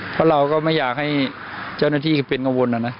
เพราะเราก็ไม่อยากให้เจ้าหน้าที่เป็นกังวลนะนะ